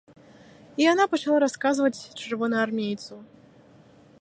І яна пачала расказваць чырвонаармейцу.